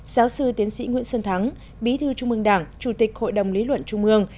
giáo sư tiến sĩ nguyễn xuân thắng bí thư trung mương đảng chủ tịch hội đồng lý luận trung ương